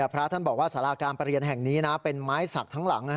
พระท่านบอกว่าสาราการประเรียนแห่งนี้เป็นไม้สักทั้งหลัง